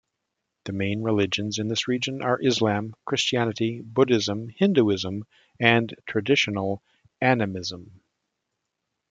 The main religions in this region are Islam, Christianity, Buddhism, Hinduism and traditional animism.